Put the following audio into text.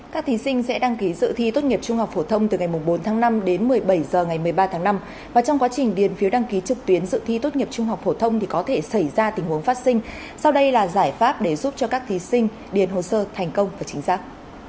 các thí sinh sẽ đăng ký dự thi tốt nghiệp trung học phổ thông từ ngày bốn tháng năm đến một mươi bảy h ngày một mươi ba tháng năm và trong quá trình điền phiếu đăng ký trực tuyến dự thi tốt nghiệp trung học phổ thông thì có thể xảy ra tình huống phát sinh sau đây là giải pháp để giúp cho các thí sinh điền hồ sơ thành công và chính xác